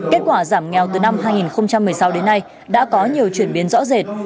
kết quả giảm nghèo từ năm hai nghìn một mươi sáu đến nay đã có nhiều chuyển biến rõ rệt